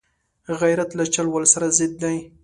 غیرت له چل ول سره ضد دی